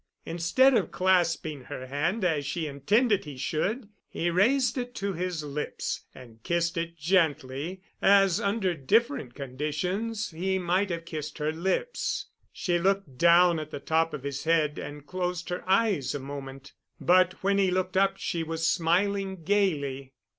Instead of clasping her hand, as she intended he should, he raised it to his lips and kissed it gently—as under different conditions he might have kissed her lips. She looked down at the top of his head and closed her eyes a moment, but when he looked up she was smiling gaily.